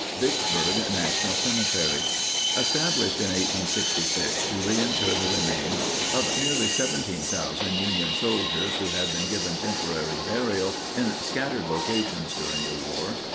VICKSBURG NATIONAL CEMETERY. Established in 1866 to reinter the remains of nearly 17,000 Union soldiers who had been given temporary burial in scattered locations during the war.